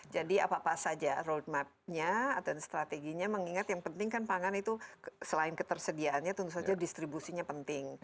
jadi apa apa saja road map nya atau strateginya mengingat yang penting kan pangan itu selain ketersediaannya tentu saja distribusinya penting